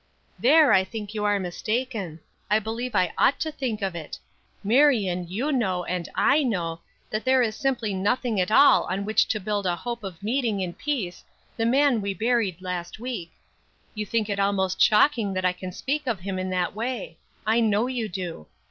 "There I think you are mistaken; I believe I ought to think of it. Marion, you know, and I know, that there is simply nothing at all on which to build a hope of meeting in peace the man we buried last week. You think it almost shocking that I can speak of him in that way; I know you do.